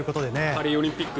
パリオリンピック